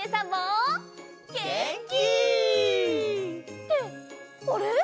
ってあれ？